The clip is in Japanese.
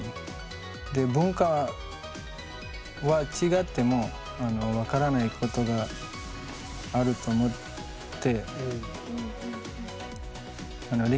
で文化は違っても分からないことがあると思って。